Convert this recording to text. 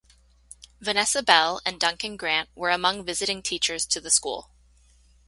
Vanessa Bell and Duncan Grant were among visiting teachers to the School.